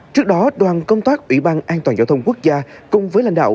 trước đó đoàn công tác ủy ban an toàn giao thông quốc gia cùng với lãnh đạo